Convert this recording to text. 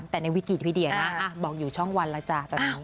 แต่ในวิกฤตพี่เดียนะบอกอยู่ช่องวันแล้วจ้าตอนนี้